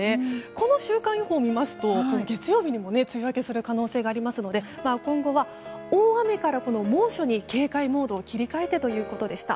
この週間予報を見ますと月曜日にも梅雨明けする可能性がありますので今後は、大雨から猛暑に警戒モードを切り替えてということでした。